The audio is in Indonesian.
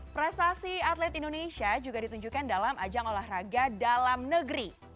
prestasi atlet indonesia juga ditunjukkan dalam ajang olahraga dalam negeri